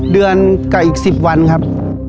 เดือนกับอีก๑๐วันครับ